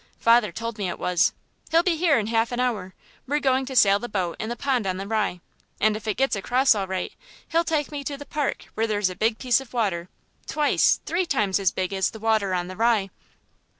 Father told me it was. He'll be here in half an hour; we're going to sail the boat in the pond on the Rye, and if it gets across all right he'll take me to the park where there's a big piece of water, twice, three times as big as the water on the Rye.